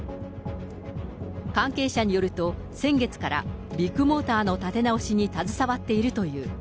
関係者によると、先月から、ビッグモーターの立て直しに携わっているという。